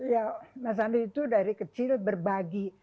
ya mas andi itu dari kecil berbagi